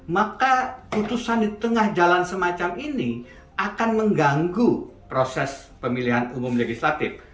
maka putusan di tengah jalan semacam ini akan mengganggu proses pemilihan umum legislatif